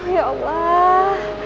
aduh ya allah